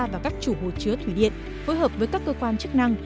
và các chủ hồ chứa thủy điện phối hợp với các cơ quan chức năng